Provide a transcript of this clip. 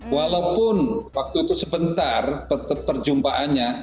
walaupun waktu itu sebentar perjumpaannya